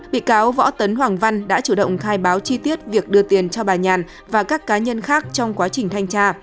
bị cáo võ tấn hoàng văn đã chủ động khai báo chi tiết việc đưa tiền cho bà nhàn và các cá nhân khác trong quá trình thanh tra